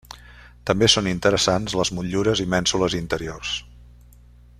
També són interessants les motllures i mènsules interiors.